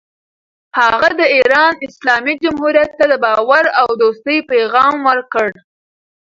هغه د ایران اسلامي جمهوریت ته د باور او دوستۍ پیغام ورکړ.